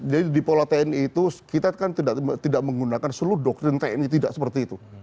jadi di pola tni itu kita kan tidak menggunakan seluruh dokter yang tni tidak seperti itu